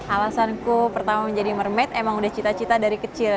alasanku pertama menjadi mermaid emang udah cita cita dari kecil